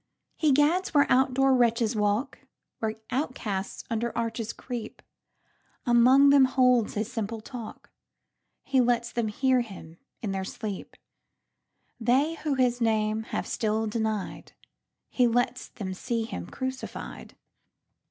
He gads where out door wretches walk, Where outcasts under arches creep; Among them holds his simple talk. He lets them hear him in their sleep. They who his name have still denied, He lets them see him crucified.